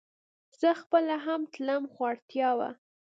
زه خپله هم تلم خو اړتيا وه